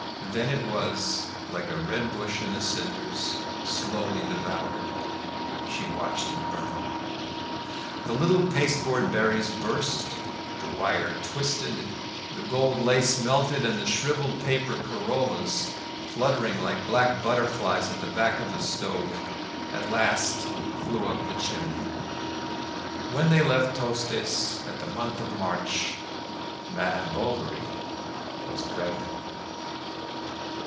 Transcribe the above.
Then it was, like a red bush in the cinders, slowly devoured. She watched it burn. The little pasteboard berries burst, the wire twisted, the gold lace melted; and the shriveled paper corollas, fluttering like black butterflies at the back of the stove, at last flew up the chimney. When they left Tostes at the month of March, Madame Bovary was pregnant.